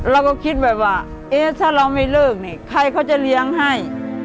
เราก็คิดแบบว่าเอ๊ะถ้าเราไม่เลิกนี่ใครเขาจะเลี้ยงให้